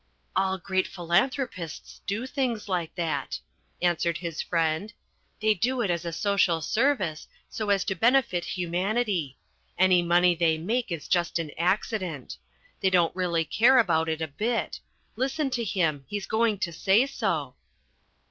"All great philanthropists do things like that," answered his friend. "They do it as a social service so as to benefit humanity; any money they make is just an accident. They don't really care about it a bit. Listen to him. He's going to say so."